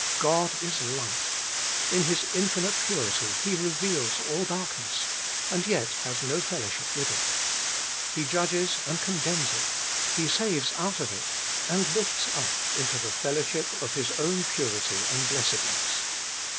' God is Light;' in His infinite Purity He reveals all darkness, and yet has no fellowship with it. He judges and condemns it ; He saves out of it, and lifts up into the fellowship of His own purity and blessedness.